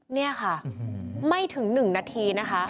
เนี่ยค่ะไม่ถึงหนึ่งนาทีนะคะ